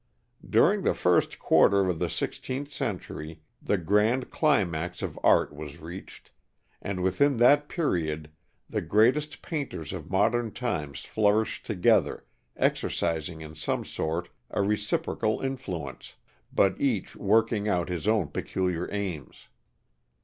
"During the first quarter of the sixteenth century, the grand climax of art was reached, and within that period the greatest painters of modern times flourished together, exercising in some sort a reciprocal influence, but each working out his own peculiar aims."